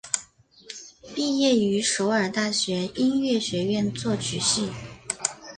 毕业于首尔大学音乐学院作曲系。